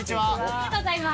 ありがとうございます。